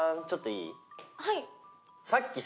ちょっといい？